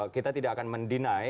kita tidak akan mendenai